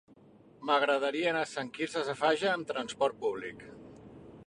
M'agradaria anar a Sant Quirze Safaja amb trasport públic.